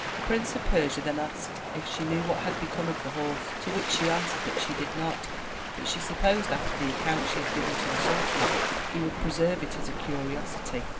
The Prince of Persia then asked her if she knew what had become of the horse, to which she answered that she did not, but she supposed, after the account she had given the sultan of it, he would preserve it as a curiosity.